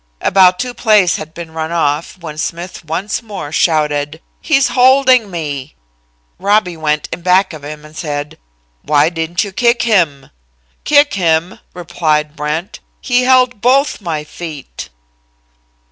"About two plays had been run off, when Smith once more shouted: "'He's holding me.' Robby went in back of him and said: "'Why didn't you kick him?' "'Kick him!' replied Brent. 'He held both my feet!'"